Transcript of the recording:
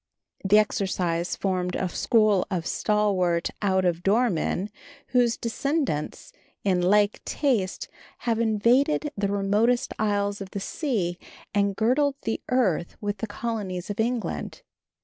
The exercise formed a school of stalwart out of door men, whose descendants of like taste have invaded the remotest isles of the sea, and girdled the earth with the colonies of England.